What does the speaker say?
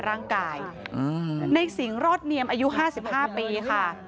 ร่างกายในสิงห์รอดเนียมอายุห้าสิบห้าปีค่ะ